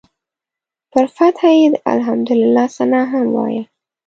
پر فتحه یې د الحمدلله ثناء هم وایه.